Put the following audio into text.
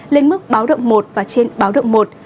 lên mức báo động một và trên báo động một